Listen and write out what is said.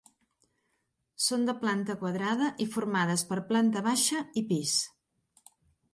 Són de planta quadrada i formades per planta baixa i pis.